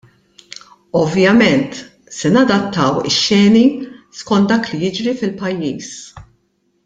Ovvjament, se nadattaw ix-xeni skont dak li jiġri fil-pajjiż.